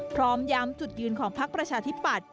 พร้อมย้ำจุดยืนของพักประชาธิปัตย